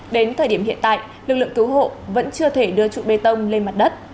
đến thời điểm hiện tại lực lượng cứu hộ vẫn chưa thể đưa trụ bê tông lên mặt đất